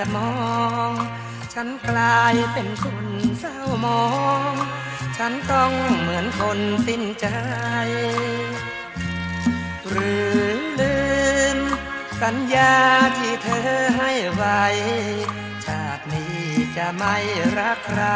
ไม่มั่นใจถึงผิดว่าจ้า